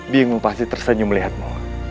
bingung pasti tersenyum melihatmu